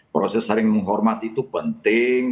proses saling menghormati itu penting